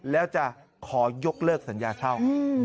แล้วจะขอยกเลิกสัญญาเช่า